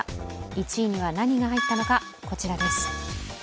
１位には何が入ったのかこちらです。